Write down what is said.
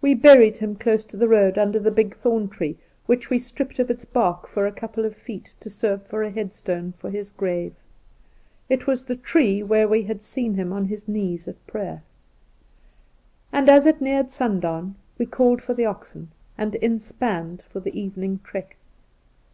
We buried him dose to the road under a big thorn tree, which we stripped of its bark for a couple of feet to serve for a headstone for his grave. It was the tree where we had seen him on his knees at prayer. And as it neared sundown, we caUed for the oxen, and inspanned for the evening trek.